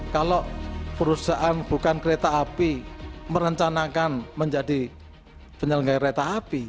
kalau perusahaan bukan kereta api merencanakan menjadi penyelenggara kereta api